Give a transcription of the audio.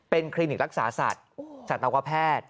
คลินิกรักษาสัตว์สัตวแพทย์